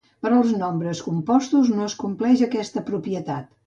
Per als nombres compostos no es compleix aquesta propietat.